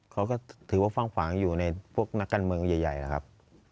เขาก็ถือว่าฟ่างขวางอยู่ในพวกนักการเมืองใหญ่นะครับ